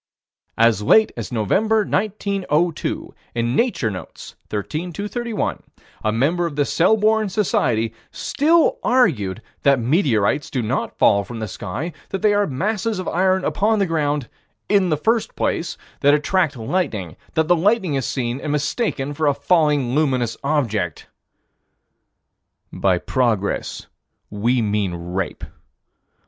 As late as November, 1902, in Nature Notes, 13 231, a member of the Selborne Society still argued that meteorites do not fall from the sky; that they are masses of iron upon the ground "in the first place," that attract lightning; that the lightning is seen, and is mistaken for a falling, luminous object By progress we mean rape.